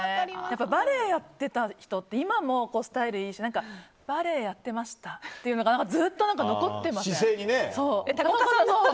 バレエやってた人は今もスタイルいいしバレエやっていましたみたいなのずっと残っていません？